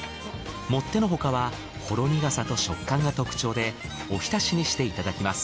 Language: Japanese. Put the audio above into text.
もってのほかはほろ苦さと食感が特徴でおひたしにしていただきます。